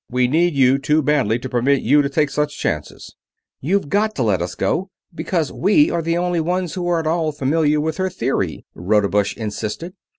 We need you too badly to permit you to take such chances." "You've got to let us go, because we are the only ones who are at all familiar with her theory," Rodebush insisted.